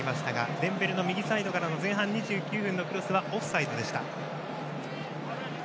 デンベレの右サイドからの前半２９分のクロスはオフサイドでした。